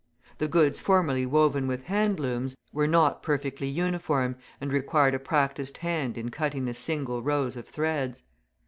The goods formerly woven with hand looms, were not perfectly uniform, and required a practised hand in cutting the single rows of threads.